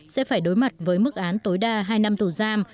sẽ phải đối mặt với mức án tối đa hai năm tù giam